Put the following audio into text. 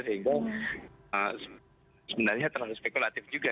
sehingga sebenarnya terlalu spekulatif juga